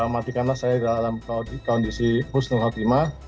matikanlah saya dalam kondisi khusnul khatimah